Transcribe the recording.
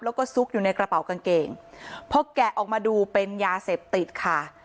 แล้วก็ซุกอยู่ในกระเป๋ากางเกงพอแกะออกมาดูเป็นยาเสพติดค่ะ